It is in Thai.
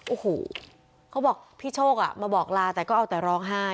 โอ้โหเขาบอกพี่โชคอ่ะมาบอกลาแต่ก็เอาแต่ร้องไห้